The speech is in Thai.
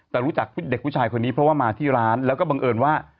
แต่รู้จักเด็กผู้ชายคนนี้เพราะว่ามาที่ร้านแล้วก็บังเอิญว่า